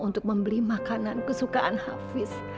untuk membeli makanan kesukaan hafiz